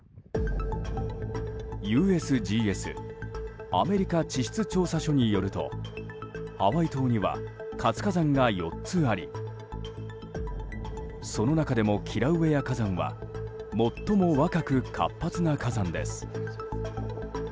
ＵＳＧＳ・アメリカ地質調査所によるとハワイ島には活火山が４つありその中でもキラウエア火山は最も若く活発な火山です。